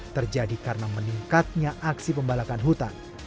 terjadi karena meningkatnya aksi pembalakan hutan